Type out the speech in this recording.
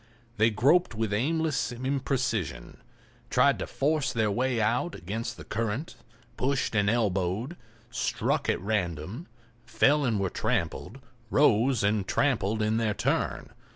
They groped with aimless imprecision, tried to force their way out against the current, pushed and elbowed, struck at random, fell and were trampled, rose and trampled in their turn.